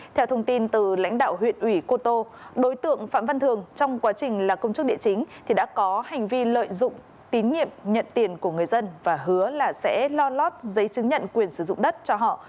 theo thông tin từ lãnh đạo huyện ủy cô tô đối tượng phạm văn thường trong quá trình là công chức địa chính thì đã có hành vi lợi dụng tín nhiệm nhận tiền của người dân và hứa là sẽ lo lót giấy chứng nhận quyền sử dụng đất cho họ